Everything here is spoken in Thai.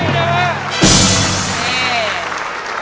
ไม่ใช้